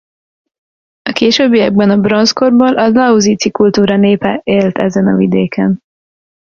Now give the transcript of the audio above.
A későbbiekben a bronzkorból a lausitzi kultúra népe élt ezen a vidéken.